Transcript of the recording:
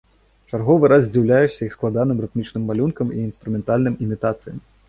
Чарговы раз здзіўляешся іх складаным рытмічным малюнкам і інструментальным імітацыям.